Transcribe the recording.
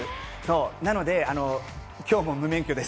なので、今日も無免許です。